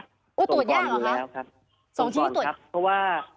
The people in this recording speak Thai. ส่งที่ตรวจอ๋อตรวจยากเหรอคะส่งที่ตรวจตรวจอยู่แล้วครับ